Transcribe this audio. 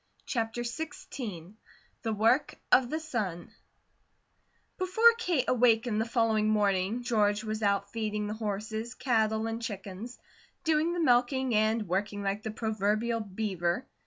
CHAPTER XVI THE WORK OF THE SUN BEFORE Kate awakened the following morning George was out feeding the horses, cattle, and chickens, doing the milking, and working like the proverbial beaver.